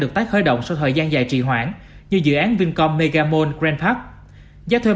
được tái khởi động sau thời gian dài trì hoãn như dự án vincom megamall grand park giá thuê